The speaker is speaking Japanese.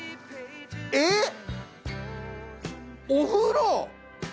えっ！お風呂！